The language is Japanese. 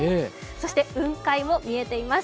そして雲海も見えています。